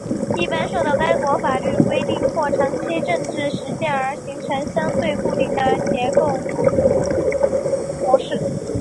一般受到该国法律规定或长期政治实践而形成相对固定的结构模式。